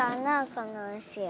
このうしは。